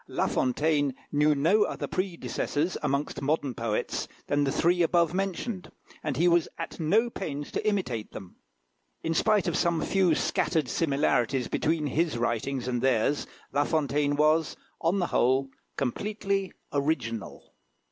La Fontaine knew no other predecessors, amongst modern poets, than the three above mentioned, and he was at no pains to imitate them. In spite of some few scattered similarities between his writings and theirs, La Fontaine was, on the whole, completely original.